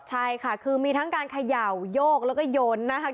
ใช่ค่ะคือมีทั้งการเขย่าโยกแล้วก็โยนนะคะ